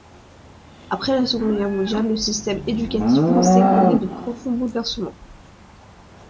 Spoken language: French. Après la Seconde Guerre mondiale, le système éducatif français connaît de profonds bouleversements.